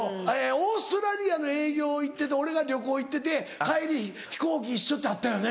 オーストラリアの営業行ってて俺が旅行行ってて帰り飛行機一緒ってあったよね。